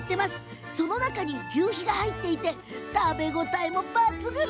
その中にはぎゅうひが入っていて食べ応えも抜群！